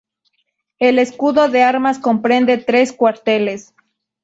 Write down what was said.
El escudo de armas comprende tres cuarteles.